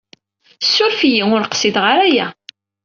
Ssuref-iyi. Ur qsideɣ ara aya.